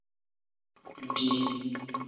Dii.